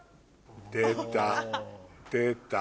出た出た。